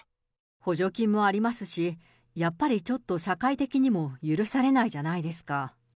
補助金もありますし、やっぱりちょっと、社会的にも許されないじゃないですか。